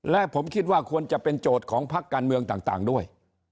และผมคิดว่าควรจะเป็นโจทย์ของพักการเมืองต่างด้วย